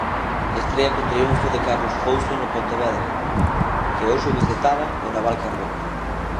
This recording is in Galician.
Estrea con triunfo de Carlos Pouso no Pontevedra, que hoxe visitaba o Naval Carbón.